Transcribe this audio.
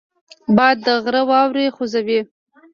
باد د غره واورې خوځوي